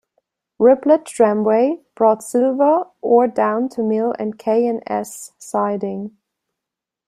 Riblet tramway brought silver ore down to mill and K and S siding.